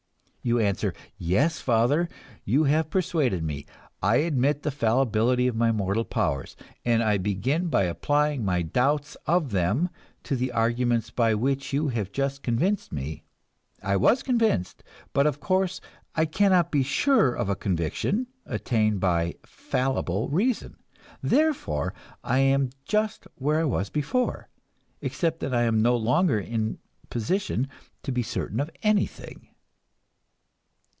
You answer, "Yes, father, you have persuaded me. I admit the fallibility of my mortal powers; and I begin by applying my doubts of them to the arguments by which you have just convinced me. I was convinced, but of course I cannot be sure of a conviction, attained by fallible reason. Therefore I am just where I was before except that I am no longer in position to be certain of anything."